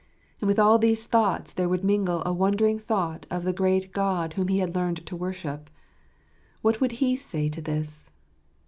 And with all these thoughts, there would mingle a wondering thought of the great God whom he had learned to worship, What would He say to this?